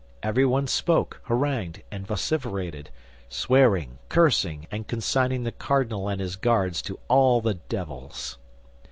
Everyone spoke, harangued, and vociferated, swearing, cursing, and consigning the cardinal and his Guards to all the devils.